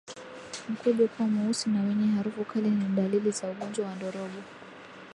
Mkojo kuwa mweusi na wenye harufu kali ni dalili za ugonjwa wa ndorobo